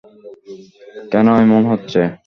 কেন এমন হচ্ছে?